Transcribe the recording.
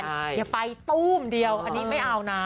เดี๋ยวไปตุ้มเดียวเนี้ยอันนี้ไม่เอานะ